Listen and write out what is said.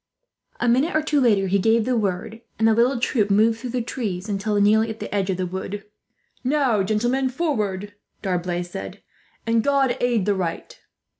A minute or two later he gave the word, and the little troop moved through the trees until nearly at the edge of the wood. "Now, gentlemen, forward," D'Arblay said, "and God aid the right!"